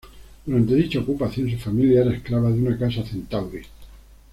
Durante dicha ocupación su familia era esclava de una casa centauri.